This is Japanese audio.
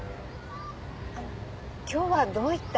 あの今日はどういった？